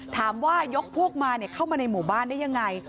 ยกพวกมาเข้ามาในหมู่บ้านได้ยังไง